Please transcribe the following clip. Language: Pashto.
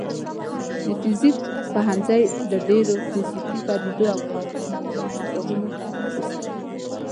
د فزیک پوهنځی د ډیرو فزیکي پدیدو او قوانینو پر مفاهیمو تمرکز کوي.